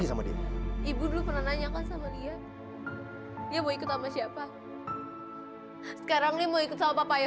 sampai jumpa di video selanjutnya